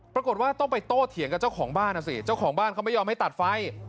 ปรากฏว่าต้องไปโต้เถียงกับเจ้าของบ้านนะสิเจ้าของบ้านเขาไม่ยอมให้ตัดไฟ